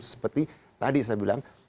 seperti tadi saya bilang